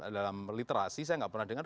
dalam literasi saya nggak pernah dengar